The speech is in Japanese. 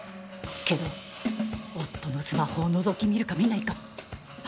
けど、夫のスマホをのぞき見るか、見ないか。